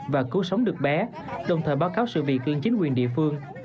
và cứu sống được bé đồng thời báo cáo sự việc lên chính quyền địa phương